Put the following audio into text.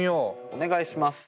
お願いします！